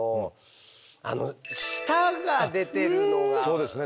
そうですね